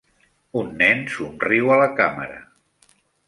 Un nen somriu a la càmera.